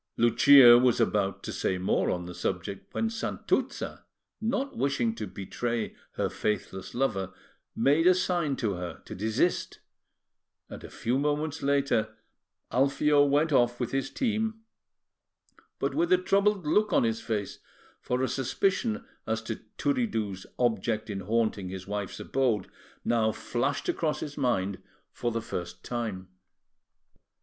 Lucia was about to say more on the subject, when Santuzza, not wishing to betray her faithless lover, made a sign to her to desist; and a few moments later Alfio went off with his team, but with a troubled look on his face, for a suspicion as to Turiddu's object in haunting his wife's abode now flashed across his mind for the first time.